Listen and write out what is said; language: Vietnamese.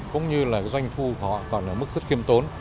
cũng như doanh thu họ còn ở mức rất khiêm tốn